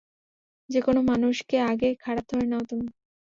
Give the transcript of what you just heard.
যেকোনো মানুষকে আগে খারাপ ধরে নাও তুমি।